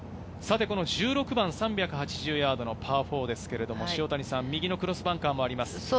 １６番、３８０ヤードのパー４ですけれども、右のクロスバンカーもあります。